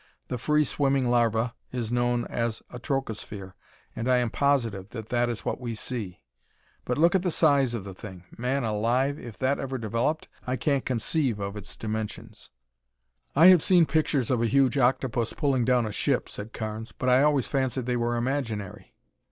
The free swimming larva is known as a trochosphere, and I am positive that that is what we see; but look at the size of the thing! Man alive, if that ever developed, I can't conceive of its dimensions!" "I have seen pictures of a huge octopus pulling down a ship," said Carnes, "but I always fancied they were imaginary."